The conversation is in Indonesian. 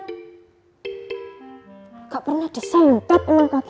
gak pernah desentak emang kakaknya tuh